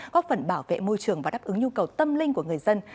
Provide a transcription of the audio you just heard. góp phần bảo vệ môi trường và đáp ứng nhu cầu tâm linh của người dân